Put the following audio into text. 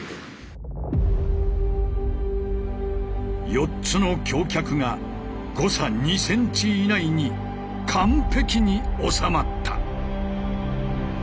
４つの橋脚が誤差２ｃｍ以内に完璧に収まった。